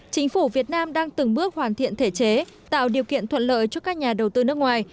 chính phủ việt nam đang từng bước hoàn thiện thể chế tạo điều kiện thuận lợi cho các nhà đầu tư nước ngoài